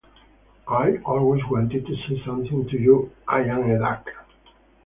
I always wanted to say something to you... I am a duck!